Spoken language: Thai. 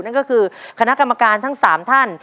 นั่นก็คือคณะกรรมการทั้ง๓ท่าน